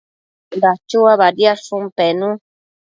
Dachua badiadshun pennu